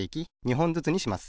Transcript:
ほんずつにします。